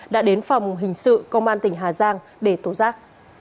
đã đến phòng hình sự công an tỉnh hà giang để tố giác